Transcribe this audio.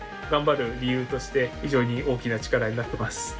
頑張る理由として非常に大きな力になってます。